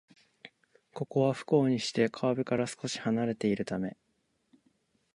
ここは、不幸にして川辺から少しはなれているため